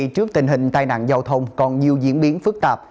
trước tình hình tai nạn giao thông còn nhiều diễn biến phức tạp